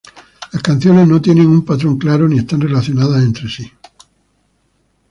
Las canciones no tienen un patrón claro ni están relacionadas entre sí.